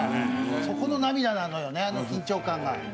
そこの涙なのよね、あの緊張感が。